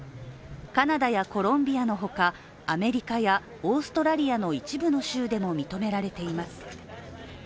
カナダやコロンビアのほかアメリカやオーストラリアの一部の州でも認められています。